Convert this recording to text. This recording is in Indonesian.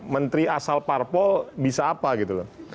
menteri asal parpol bisa apa gitu loh